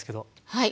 はい。